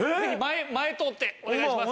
前通ってお願いします。